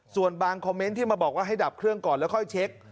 ส่วนบางคอมเมนต์ที่มาบอกว่าให้ดับเครื่องก่อนแล้วค่อยเช็ค